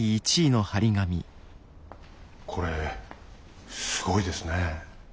これすごいですねえ。